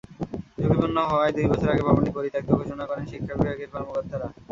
ঝুঁকিপূর্ণ হওয়ায় দুই বছর আগে ভবনটি পরিত্যক্ত ঘোষণা করেন শিক্ষা বিভাগের কর্মকর্তারা।